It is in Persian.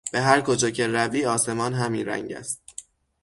به هر کجا که روی آسمان همین رنگ است.